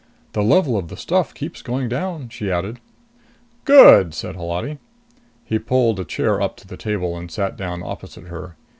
"The level of the stuff keeps going down," she added. "Good," said Holati. He pulled a chair up to the table and sat down opposite her.